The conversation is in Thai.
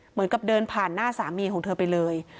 เหมือนกับเดินผ่านหน้าสามีของเธอไปเลย